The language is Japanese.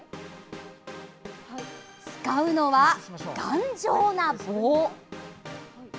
使うのは、頑丈な棒。